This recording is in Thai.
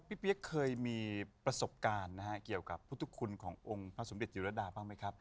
เปี๊ยกเคยมีประสบการณ์นะฮะเกี่ยวกับพุทธคุณขององค์พระสมเด็จจิรดาบ้างไหมครับ